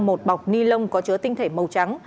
một bọc ni lông có chứa tinh thể màu trắng